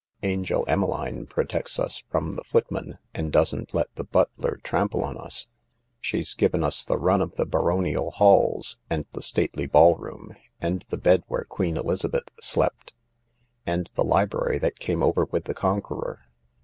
Angel Emmeline protects us from the footman and doesn't let the butler 6 THE LARK trample on us. She's given us the run of the baronial halls, and the stately ball room, and the bed where Queen Eliza beth slept, and the library that came over with the Con queror.